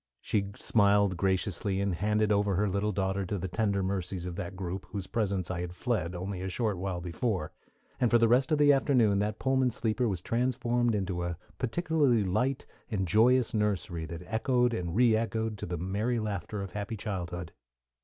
She smiled graciously, and handed over her little daughter to the tender mercies of that group whose presence I had fled only a short while before and for the rest of the afternoon that Pullman sleeper was transformed into a particularly bright and joyous nursery that echoed and reëchoed to the merry laughter of happy childhood.